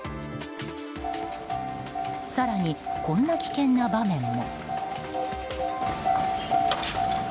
更に、こんな危険な場面も。